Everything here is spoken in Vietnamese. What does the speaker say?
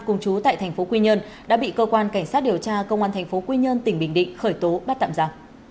cùng chú tại tp quy nhơn đã bị cơ quan cảnh sát điều tra công an tp quy nhơn tỉnh bình định khởi tố bắt tạm ra